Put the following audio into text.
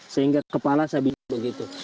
sehingga kepala saya begitu